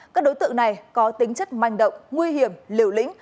các đối tượng này có tính chất manh động nguy hiểm liều lĩnh